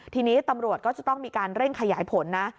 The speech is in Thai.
ทีนี้ตำรวจก็จะต้องมีการเร่งขยายผลนะ